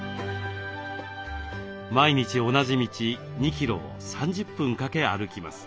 毎日同じ道２キロを３０分かけ歩きます。